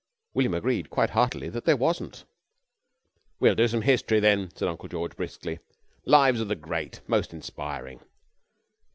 William agreed quite heartily that there wasn't. "We'll do some History, then," said Uncle George briskly. "The lives of the great. Most inspiring.